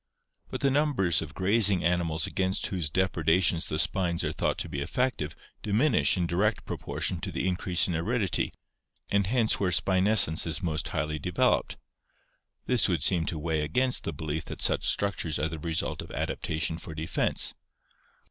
But the numbers of grazing animals against whose depredations the spines are thought to be effective diminish in direct proportion to the increase in aridity and hence where spinescence is most highly developed. This would seem to weigh against the belief that such structures are the result of adaptation for defense.